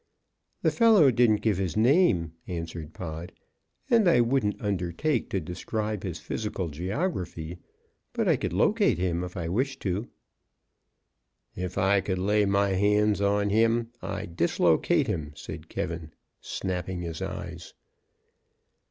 "The fellow didn't give his name," answered Pod, "and I wouldn't undertake to describe his physical geography, but I could locate him if I wished to." "If I could lay my hands on him, I'd dislocate him," said K , snapping his eyes.